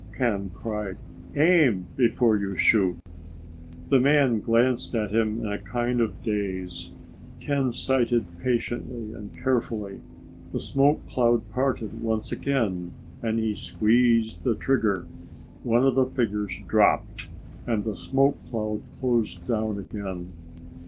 Ken cried. "Aim before you shoot!" The man glanced at him in a kind of daze. Ken sighted patiently and carefully. The smoke cloud parted once again and he squeezed the trigger. One of the figures dropped and the smoke cloud closed down again.